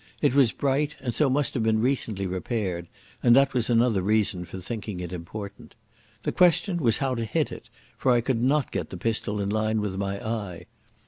It was bright and so must have been recently repaired, and that was another reason for thinking it important. The question was how to hit it, for I could not get the pistol in line with my eye.